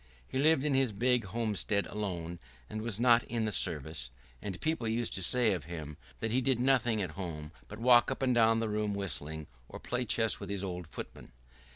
He lived in his big homestead alone, and was not in the service; and people used to say of him that he did nothing at home but walk up and down the room whistling, or play chess with his old footman.